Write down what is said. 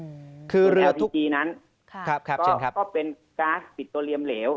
ดรริทีนั้นก็เป็นกาสตร์ปิดโตเเลียมเหลว